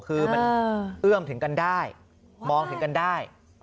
คือมันเอื้อมถึงกันได้มองถึงกันได้